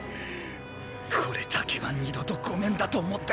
これだけは二度とごめんだと思ってたんだ。